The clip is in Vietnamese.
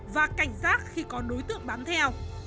và cảnh giác khi có đối tượng bám theo